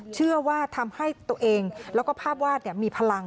เชื่อว่าทำให้ตัวเองแล้วก็ภาพวาดมีพลัง